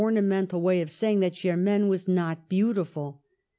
namental way of saying that Germaine was not beautiful.